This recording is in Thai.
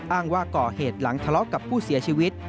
อ้างว่าก่อเหตุหลังทะเลาะกับผู้เสียชีวิต